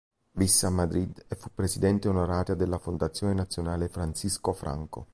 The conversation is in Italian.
Visse a Madrid e fu presidente onoraria della Fondazione Nazionale Francisco Franco.